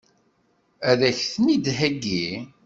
Ad k-ten-id-theggi?